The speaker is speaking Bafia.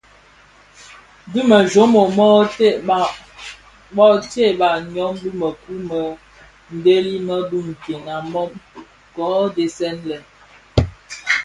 Dhi me jommog mōō tsebbag myom bi mëkuu më ndhèli më bi nken a mum kō dhesè lè.